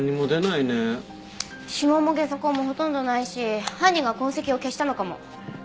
指紋もゲソ痕もほとんどないし犯人が痕跡を消したのかも。